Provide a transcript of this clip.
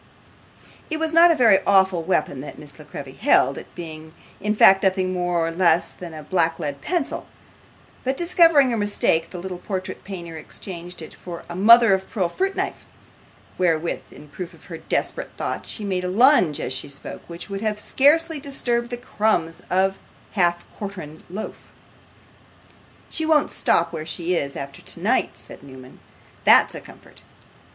It was not a very awful weapon that Miss La Creevy held, it being in fact nothing more nor less than a black lead pencil; but discovering her mistake, the little portrait painter exchanged it for a mother of pearl fruit knife, wherewith, in proof of her desperate thoughts, she made a lunge as she spoke, which would have scarcely disturbed the crumb of a half quartern loaf. 'She won't stop where she is after tonight,' said Newman. 'That's a comfort.